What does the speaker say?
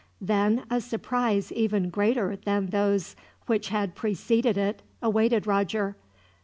Then a surprise even greater than those which had preceded it awaited Roger.